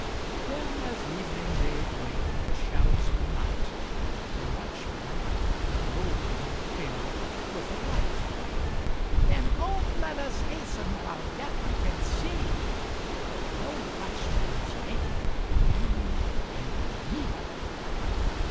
Then as Evening gave way to the shadows of Night, Their Watchman, the Glowworm, came out with a light. "Then home let us hasten, while yet we can see, For no Watchman is waiting for you and for me."